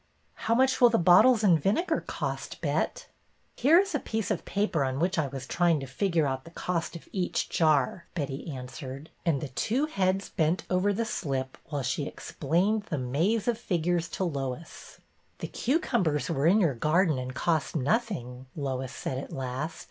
" How much will the bottles and vinegar cost. Bet?" " Here is^a piece of paper on which I was try ing to figure out the cost of each jar," Betty an swered, and the two heads bent over the slip 76 BETTY BAIRD'S VENTURES while she explained the maze of figures to Lois. '' The cucumbers were in your garden and cost nothing/' Lois said at last.